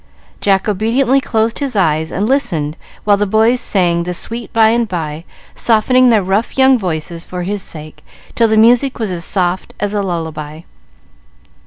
Jack obediently closed his eyes and listened while the boys sang "The Sweet By and By," softening their rough young voices for his sake till the music was as soft as a lullaby.